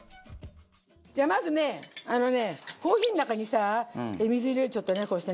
じゃあまずねあのねコーヒーの中にさ水入れるちょっとねこうしてね。